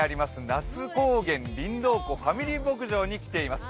那須高原りんどう湖ファミリー牧場に来ています。